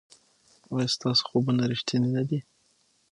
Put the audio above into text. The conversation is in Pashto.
ایا ستاسو خوبونه ریښتیني نه دي؟